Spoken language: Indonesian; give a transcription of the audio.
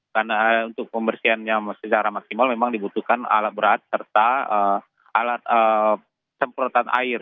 karena untuk pembersihannya secara maksimal memang dibutuhkan alat berat serta alat semprotan air